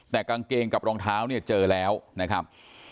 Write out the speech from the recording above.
แต่กางเกงกับรองเท้าเนี่ยเจอแล้วนะครับ